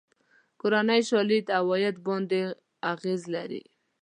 کورنۍ شالید عوایدو باندې اغېز لري.